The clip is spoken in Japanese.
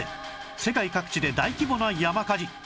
世界各地で大規模な山火事